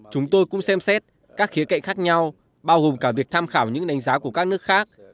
chúng tôi cũng xem xét các khía cạnh khác nhau bao gồm cả việc tham khảo những đánh giá của các nước khác